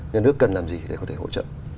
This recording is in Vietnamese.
nhà nước cần làm gì để có thể hỗ trợ